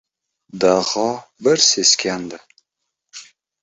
Daho bir seskandi.